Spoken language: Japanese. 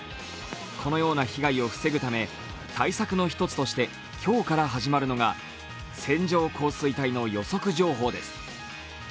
このような被害を防ぐため対策の１つとして今日から始まるのが線状降水帯の予測情報です。